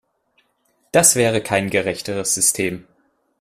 Das wäre kein gerechteres System.